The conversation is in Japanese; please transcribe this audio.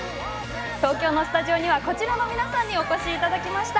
東京のスタジオにはこちらの皆さんにお越しいただきました。